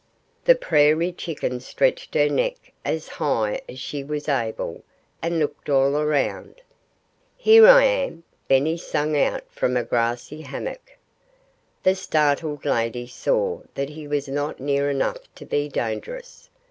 The prairie chicken stretched her neck as high as she was able, and looked all around. "Here I am!" Benny sang out from a grassy hummock. The startled lady saw that he was not near enough to be dangerous.